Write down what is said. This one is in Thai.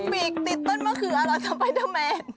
ปีกติดต้นมะเขือนะสไปเดอร์แมน